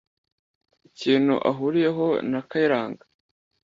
ikintu ahuriyeho na Kayiranga